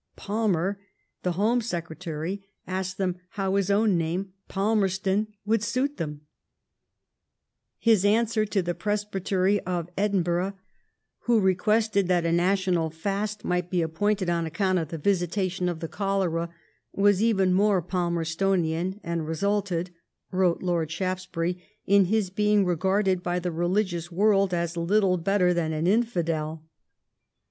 Palmer, the Home Secretary asked them how his own name, *^ Palmerstown," would suit them. His answer to the Presbytery of Edinburgh, who requested that a national fast might be appointed on account of the visi tation of the cholera, was even more Palmerstonian, and resulted, wrote Lord Shaftesbury, in his being regarded by the religious world as little better than an infidel, 10 * 148 LIFE OF VISCOUNT PALMEBSTON.